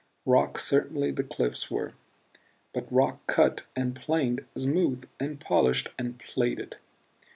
Rock certainly the cliffs were but rock cut and planed, smoothed and polished and PLATED!